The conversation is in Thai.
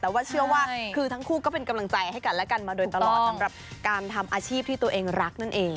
แต่ว่าเชื่อว่าคือทั้งคู่ก็เป็นกำลังใจให้กันและกันมาโดยตลอดสำหรับการทำอาชีพที่ตัวเองรักนั่นเอง